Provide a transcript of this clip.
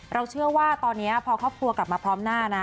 เชื่อว่าตอนนี้พอครอบครัวกลับมาพร้อมหน้านะ